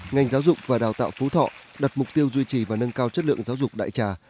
ngành giáo dục và đào tạo phú thọ đặt mục tiêu duy trì và nâng cao chất lượng giáo dục đại trà